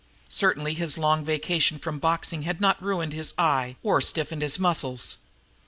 Certainly his long vacation from boxing had not ruined his eye or stiffened his muscles.